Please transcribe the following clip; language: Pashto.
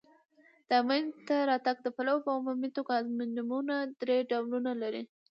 د مینځ ته راتګ د پلوه په عمومي توګه امونیمونه درې ډولونه لري.